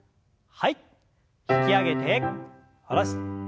引き上げて下ろして。